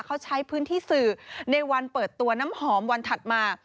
เขาใช้พื้นที่สื่อในวันเปิดตัวน้ำหอมวันถัดมา